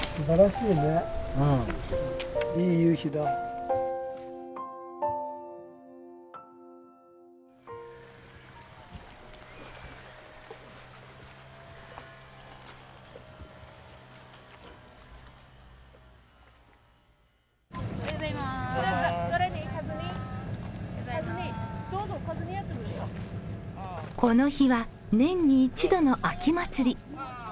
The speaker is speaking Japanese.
この日は年に一度の秋祭り。